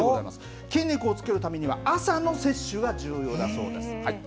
筋肉をつけるためには朝の摂取が重要だそうです。